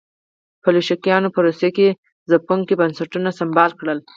بلشویکانو په روسیه کې ځپونکي بنسټونه سمبال کړل.